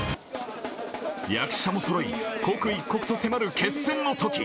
役者もそろい刻一刻と迫る決戦のとき。